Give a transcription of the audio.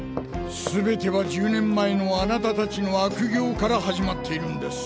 全ては１０年前のアナタたちの悪行から始まっているんです。